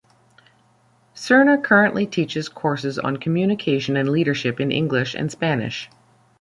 Serna currently teaches courses on communication and leadership in English and Spanish.